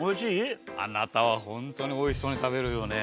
あなたはホントにおいしそうに食べるよね。